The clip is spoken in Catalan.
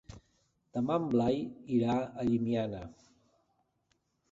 Demà en Blai irà a Llimiana.